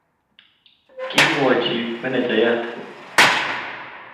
kimwochi menejayat